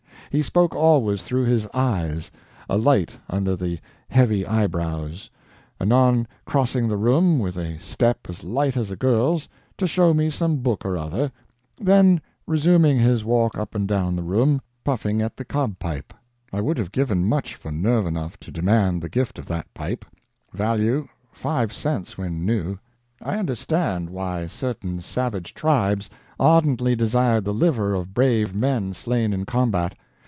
He spoke always through his eyes, a light under the heavy eyebrows; anon crossing the room with a step as light as a girl's, to show me some book or other; then resuming his walk up and down the room, puffing at the cob pipe. I would have given much for nerve enough to demand the gift of that pipe—value, five cents when new. I understood why certain savage tribes ardently desired the liver of brave men slain in combat.